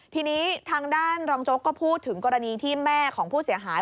ทีนี้ทางด้านรองโจ๊กก็พูดถึงกรณีที่แม่ของผู้เสียหาย